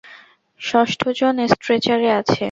ষষ্ঠজন স্ট্রেচারে আছে।